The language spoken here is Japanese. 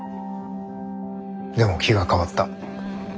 でも気が変わった。